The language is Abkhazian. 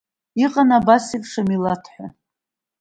Иҟан абасеиԥш амилаҭ ҳәа.